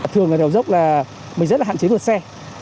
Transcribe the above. thường đèo dốc mình rất hạn chế vượt xe